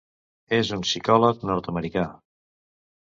És un psicòleg nord-americà.